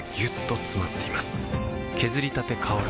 削りたて香る